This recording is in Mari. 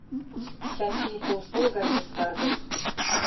Чачий тулшол гай йошкаргыш.